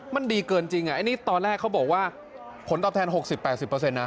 มันดีเกินจริงอันนี้ตอนแรกเขาบอกว่าผลตอบแทน๖๐๘๐นะ